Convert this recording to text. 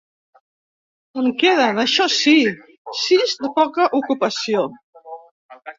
En queden, això sí, sis de poca ocupació.